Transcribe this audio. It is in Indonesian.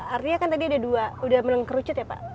artinya kan tadi ada dua udah mengerucut ya pak